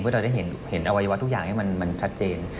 เพื่อเราได้เห็นอวัยวะทุกอย่างให้มันชัดเจน